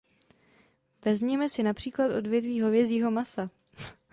Vezměme si například odvětví hovězího masa.